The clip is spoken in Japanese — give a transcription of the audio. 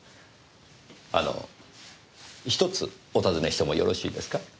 あの１つお尋ねしてもよろしいですか？